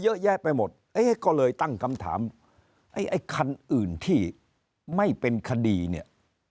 เยอะแยะไปหมดเอ๊ะก็เลยตั้งคำถามไอ้ไอ้คันอื่นที่ไม่เป็นคดีเนี่ย